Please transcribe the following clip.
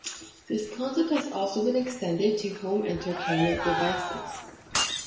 This concept has also been extended to home entertainment devices.